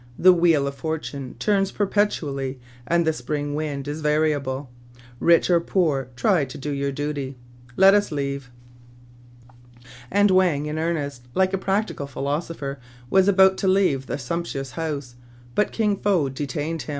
The wheel of fortune turns perpetually, and the spring wind is variable. Rich or poor, try to do your duty.' Let us leave." And Wang in earnest, like a practical philoso pher, was about to leave the sumptuous house ; but Kin Fo detained him.